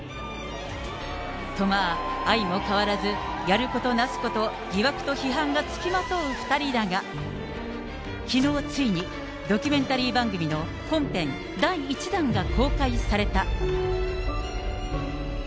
と、まあ、相も変わらず、やることなすこと疑惑と批判が付きまとう２人だが、きのう、ついにドキュメンタリー番組の本編第１弾が公開された。